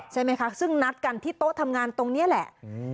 ใช่ไหมคะซึ่งนัดกันที่โต๊ะทำงานตรงนี้แหละ